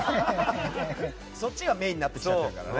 そっちがメインになってきちゃってるから。